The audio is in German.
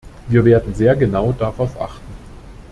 Wir werden sehr genau darauf achten.